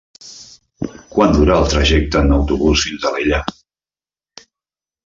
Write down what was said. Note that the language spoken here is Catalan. Quant dura el trajecte en autobús fins a Alella?